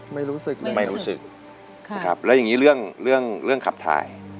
ไม่รู้สึกไม่รู้สึกไม่รู้สึกครับแล้วยังงี้เรื่องเรื่องเรื่องขับถ่าย